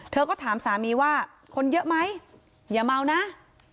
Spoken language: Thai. เธอก็ถามสามีว่าคนเยอะไหมอย่าเมานะ